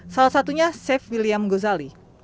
salah satunya chef william gozali